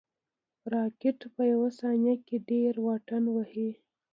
راکټ په یو ثانیه کې ډېر واټن وهي